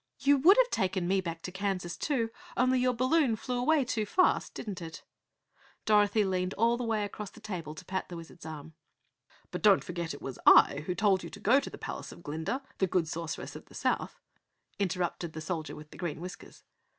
"You would have taken me back to Kansas, too, only your balloon flew away too fast, didn't it?" Dorothy leaned all the way across the table to pat the Wizard's arm. "But don't forget it was I, who told you to go to the palace of Glinda, the Good Sorceress of the South," interrupted the Soldier with Green Whiskers again.